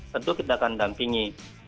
tentu kita akan dampingi